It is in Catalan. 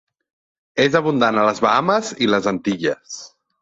És abundant a les Bahames i les Antilles.